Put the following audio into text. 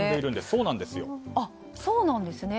そうなんですね。